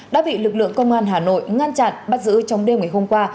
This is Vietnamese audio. đã bị lực lượng công an hà nội ngăn chặn bắt giữ trong đêm ngày hôm qua